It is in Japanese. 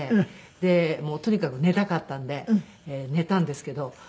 でとにかく寝たかったんで寝たんですけど。